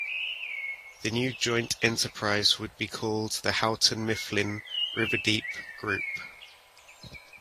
The new joint enterprise would be called the Houghton Mifflin Riverdeep Group.